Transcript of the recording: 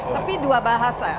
tapi dua bahasa